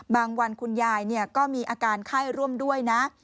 วันคุณยายก็มีอาการไข้ร่วมด้วยนะ